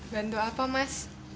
bantu apa mas